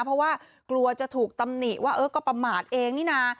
เพราะว่ากลัวจะถูกตำหนิว่าเออก็ประมาทเองนี่นะ